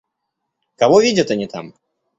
Кого видят они там?